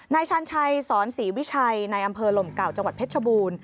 ชาญชัยสอนศรีวิชัยในอำเภอลมเก่าจังหวัดเพชรชบูรณ์